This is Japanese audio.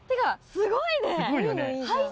すごいよね。